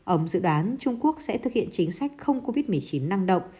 ông dự đoán trung quốc sẽ thực hiện chính sách không covid một mươi chín năng động